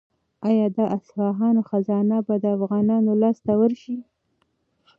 آیا د اصفهان خزانه به د افغانانو لاس ته ورشي؟